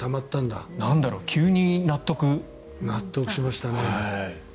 納得しましたね。